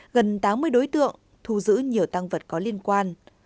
gần tám mươi đối tượng thu giữ nhiều tăng vật có liên quan